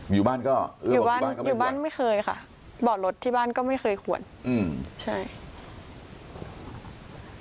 อยู่บ้านก็อยู่บ้านไม่เคยค่ะบอร์ดรถที่บ้านก็ไม่เคยขวนอืม